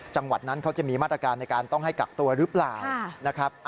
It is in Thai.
จังหวัดนั้นเขาจะมีมาตรการในการต้องให้กักตัวหรือเปล่านะครับ